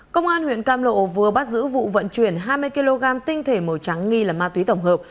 công an huyện cam lộ vừa bắt giữ vụ vận chuyển hai mươi kg tinh thể màu trắng nghi là ma túy tổng hợp